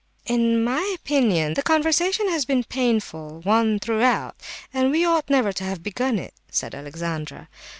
"In my opinion the conversation has been a painful one throughout, and we ought never to have begun it," said Alexandra.